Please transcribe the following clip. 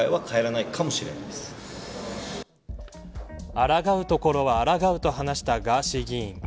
あらがうところはあらがうと話したガーシー議員。